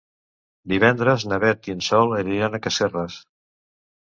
Divendres na Beth i en Sol aniran a Casserres.